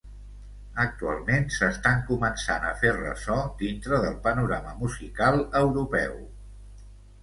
Actualment s'estan començant a fer ressò dintre del panorama musical europeu.